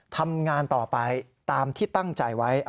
ทำงานต่อไปตามที่ตั้งใจไว้